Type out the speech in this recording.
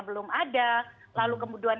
belum ada lalu kemudian